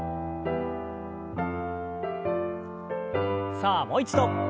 さあもう一度。